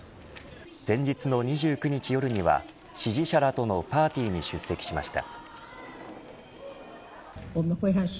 前日の２９日夜には支持者らとのパーティーに出席しました。